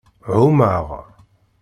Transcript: Ɛumeɣ.